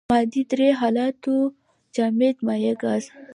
د مادې درې حالتونه جامد مايع ګاز.